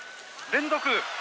連続！